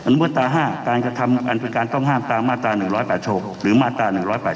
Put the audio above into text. อนุมัตราห้าการกระทำการพิการต้องห้ามตามมาตรา๑๘๖หรือมาตรา๑๘๗